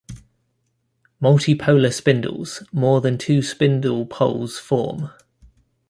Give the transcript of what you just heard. Multipolar spindles: more than two spindle poles form.